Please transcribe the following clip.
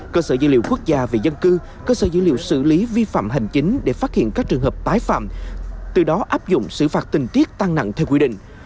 cơ sở dữ liệu quốc gia về dân cư cơ sở dữ liệu xử lý vi phạm hành chính để phát hiện các trường hợp tái phạm từ đó áp dụng xử phạt tình tiết tăng nặng theo quy định